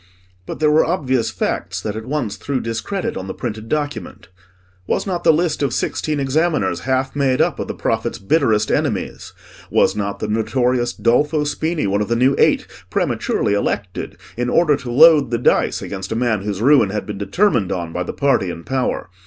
But there were obvious facts that at once threw discredit on the printed document. Was not the list of sixteen examiners half made up of the prophet's bitterest enemies? Was not the notorious Dolfo Spini one of the new Eight prematurely elected, in order to load the dice against a man whose ruin had been determined on by the party in power?